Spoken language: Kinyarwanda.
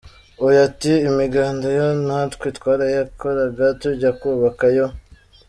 Uyu ati “Imiganda yo natwe twarayikoraga tujya kubaka yo.